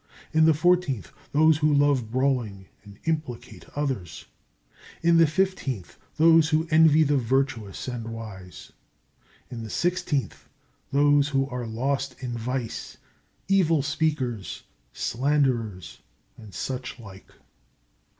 In the fourteenth, those who love brawling and implicate others. In the fifteenth, those who envy the virtuous and wise. In the sixteenth, those who are lost in vice, evil speakers, slanderers, and such like.